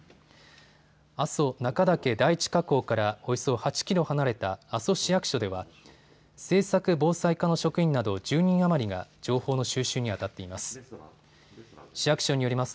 阿蘇中岳第一火口からおよそ８キロ離れた阿蘇市役所では政策防災課の職員など１０人余りが情報の収集にあたっています。